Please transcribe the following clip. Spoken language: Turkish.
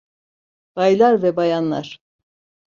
Baylar ve bayanlar.